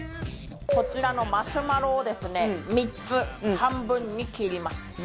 こちらのマシュマロをですね３つ半分に切ります。